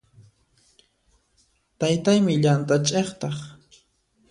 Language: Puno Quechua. Taytaymi llant'a ch'iqtaq.